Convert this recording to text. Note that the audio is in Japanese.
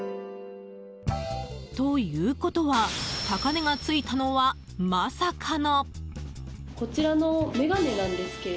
ということは、高値がついたのはまさかの。